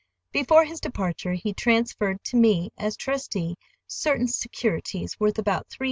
Before his departure he transferred to me, as trustee, certain securities worth about $300,000.